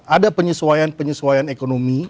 ada penyesuaian penyesuaian ekonomi